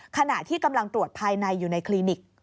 ขณะที่กำลังตรวจภายในอยู่ในคลินิก